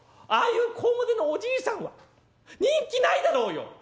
ああいうこわもてのおじいさんは人気ないだろうよ！